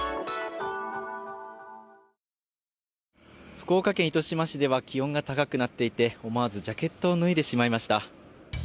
福岡県糸島市では気温が高くなっていて思わずジャケットを脱いでしまいました。